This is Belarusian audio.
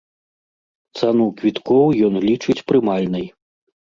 Цану квіткоў ён лічыць прымальнай.